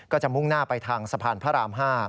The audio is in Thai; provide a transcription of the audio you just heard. จะมุ่งหน้าไปทางสะพานพระราม๕